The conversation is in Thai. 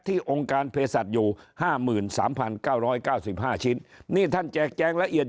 องค์การเพศสัตว์อยู่๕๓๙๙๕ชิ้นนี่ท่านแจกแจงละเอียด